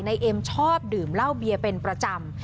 เอ็มชอบดื่มเหล้าเบียร์เป็นประจำ